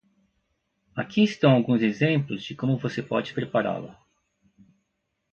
Aqui estão alguns exemplos de como você pode prepará-la: